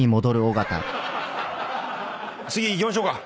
次いきましょうか。